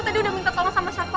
tadi udah minta tolong sama siapa